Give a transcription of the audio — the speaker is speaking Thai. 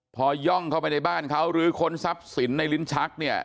พอย่องเข้าไปในบ้านเขาหรือค้นทรัพย์สินในลิ้นชักเนี่ย